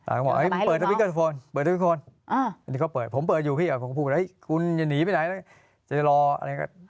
อ่าอันนี้เขาเปิดผมเปิดอยู่พี่อ่ะผมพูดว่าเฮ้ยคุณอย่าหนีไปไหนจะรออะไรก็